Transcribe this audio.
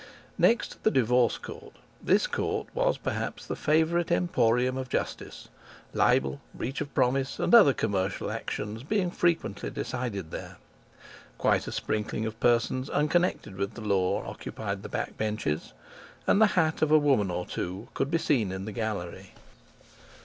Next to the Divorce Court, this court was, perhaps, the favourite emporium of justice, libel, breach of promise, and other commercial actions being frequently decided there. Quite a sprinkling of persons unconnected with the law occupied the back benches, and the hat of a woman or two could be seen in the gallery.